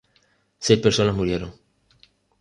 Seis personas murieron.